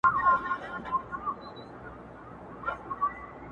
مقاومت رامنځته کوي